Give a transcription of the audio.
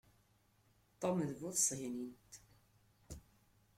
Tom d bu tṣegnint.